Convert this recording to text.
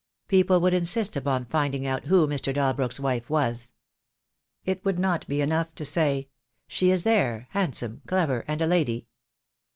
People would insist upon finding out who Mr. Dalbrook's wife was. It would not be enough to say, "She is there — handsome, clever, and a lady."